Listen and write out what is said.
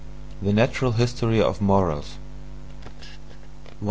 THE NATURAL HISTORY OF MORALS 186.